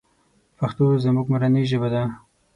پښتو زمونږ مورنۍ ژبه ده.